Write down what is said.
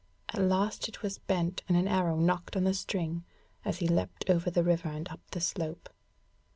At last it was bent and an arrow nocked on the string, as he leapt over the river and up the slope.